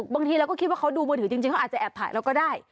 บางทีเราก็คิดว่าเขาดูมือถือจริงเขาอาจจะแอบถ่ายเราก็ได้